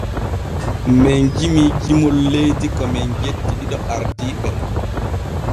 Men jimii jimol leydi ko men jetti ɗiɗo ardiiɓe.